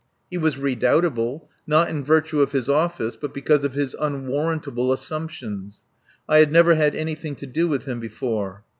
He was redoubtable, not in virtue of his office, but because of his unwarrantable assumptions. I had never had anything to do with him before.